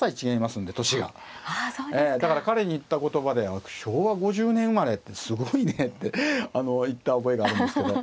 だから彼に言った言葉で「昭和５０年生まれってすごいね」って言った覚えがあるんですけど。